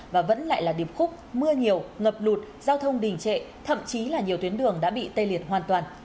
và vẫn lại là điệp khúc mưa nhiều ngập lụt giao thông đình trệ thậm chí là nhiều tuyến đường đã bị tê liệt hoàn toàn